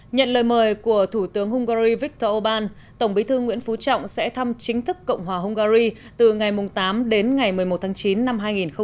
nhận lời mời của thủ tướng hungary viktor orbán tổng bí thư nguyễn phú trọng sẽ thăm chính thức cộng hòa hungary từ ngày tám đến ngày một mươi một tháng chín năm hai nghìn hai mươi